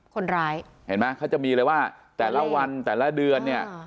คนร้ายเห็นไหมเขาจะมีเลยว่าแต่ละวันแต่ละเดือนเนี่ย